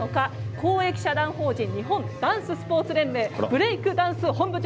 公益社団法人日本ダンススポーツ連盟ブレイクダンス本部長